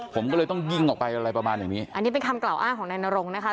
ผมก็เลยต้องยิงออกไปอะไรประมาณอย่างนี้อันนี้เป็นคำกล่าวอ้างของนายนรงค์นะคะ